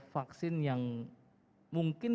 vaksin yang mungkin